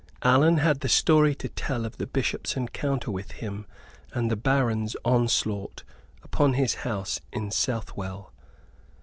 Allan had the story to tell of the Bishop's encounter with him and the baron's onslaught upon his house in Southwell.